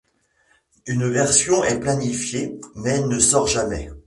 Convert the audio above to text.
Une version est planifiée mais ne sort jamais.